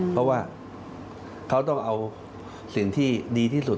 เพราะว่าเขาต้องเอาสิ่งที่ดีที่สุด